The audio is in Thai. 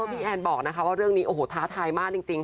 พี่แอนด์บอกนะคะว่าเรื่องนี้แท้ท้ายมากจริงค่ะ